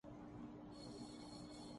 پھر بھی سیاست میں دلچسپی برقرار رہی۔